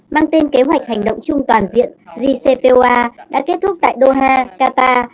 mang tên kế hoạch hành động chung toàn diện jcpoa đã kết thúc tại doha qatar